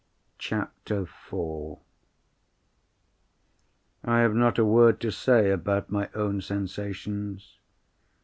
CHAPTER IV I have not a word to say about my own sensations.